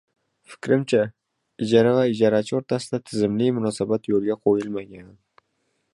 Fikrimcha, ijara va ijarachi o'rtasida tizimli munosabat yo'lga qo'yilmagan.